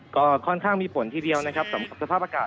ก็ค่อนข้างมีผลทีเดียวนะครับสำหรับสภาพอากาศ